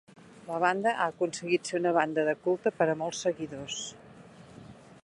La banda ha aconseguit ser una banda de culte per a molts seguidors.